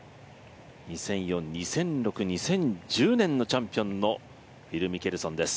２００４、２００６、２０１０年のチャンピオンのフィル・ミケルソンです。